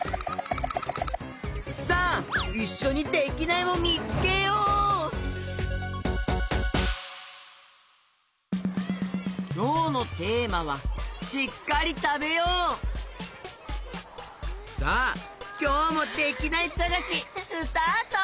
さあいっしょにきょうのテーマは「しっかりたべよう」さあきょうもできないさがしスタート！